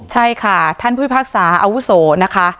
ใช่ค่ะท่านผู้พิพากษาอาวุโสนะคะ